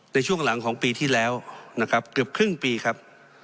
ในช่วงหลังของปีที่แล้วนะครับเกือบครึ่งปีครับ